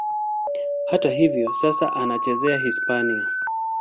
Hata hivyo, sasa anacheza Hispania.